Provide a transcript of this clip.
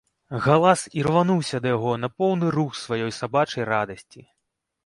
Галас ірвануўся да яго на поўны рух сваёй сабачай радасці.